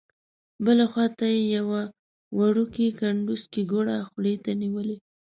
بل خوا ته یې یو وړوکی کنډوسکی ګوړه خولې ته نیولې.